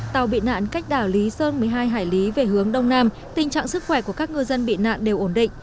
tàu bị nạn cách đảo lý sơn một mươi hai hải lý về hướng đông nam tình trạng sức khỏe của các ngư dân bị nạn đều ổn định